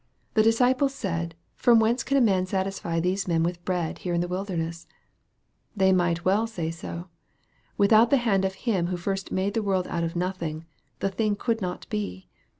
The disciples said, MARK, CHAP. VIII. 155 " from whence can a man satisfy these men with bread here in the wilderness ?" They might well say so. Without the hand of Him who first made the world out of nothing, the thing could not be.